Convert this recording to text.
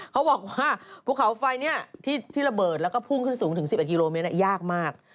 เขาบอกว่าภูเขาไฟที่ระเบิดแล้วก็พุ่งขึ้นสูงถึง๑๑กิโลเมตรยากมาก